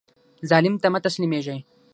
ظالم ته مه تسلیمیږئ